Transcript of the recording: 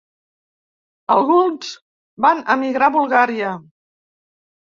Alguns van emigrar a Bulgària.